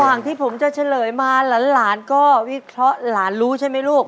ที่ผมจะเฉลยมาหลานก็วิเคราะห์หลานรู้ใช่ไหมลูก